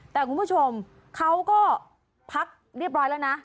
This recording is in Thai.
แต่คุณผู้ชมเขาก็พักเรียบร้อยแล้วนะ